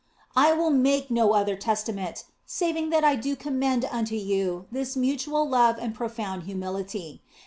" I will make no other testament, saving that I do com mend unto you this mutual love and profound humility.